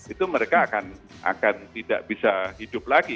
itu mereka akan tidak bisa hidup lagi